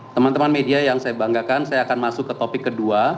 teman teman media yang saya banggakan saya akan masuk ke topik kedua